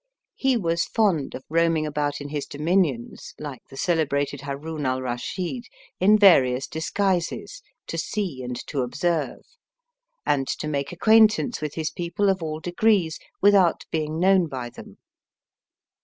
He was fond of roaming about in his dominions, like the celebrated Haroun Al Rashid, in various disguises, to see and to observe; and to make acquaintance with his people of all degrees, without being known by them.